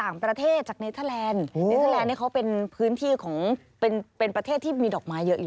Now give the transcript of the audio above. เนเทอร์แลนด์เป็นพื้นที่เป็นประเทศที่มีดอกไม้เยอะอยู่